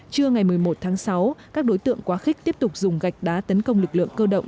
trưa ngày một mươi một tháng sáu các đối tượng quá khích tiếp tục dùng gạch đá tấn công lực lượng cơ động